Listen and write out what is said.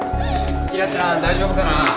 紀來ちゃん大丈夫かな？